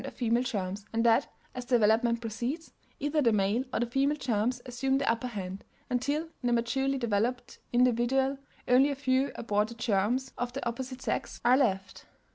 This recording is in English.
of female germs, and that, as development proceeds, either the male or the female germs assume the upper hand, until in the maturely developed individual only a few aborted germs of the opposite sex are left.